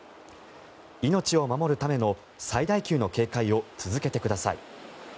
命を守るための最大級の警戒を続けてください。